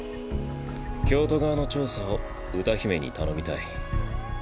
京都側の調査を歌姫に頼みたい。